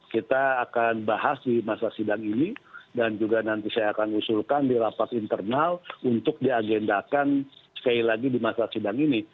kita akan bahas di masa sidang ini dan juga nanti saya akan usulkan di rapat internal untuk diagendakan sekali lagi di masa sidang ini